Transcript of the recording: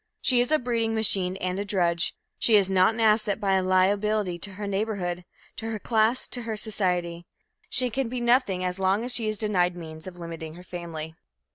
She is a breeding machine and a drudge she is not an asset but a liability to her neighborhood, to her class, to society. She can be nothing as long as she is denied means of limiting her family.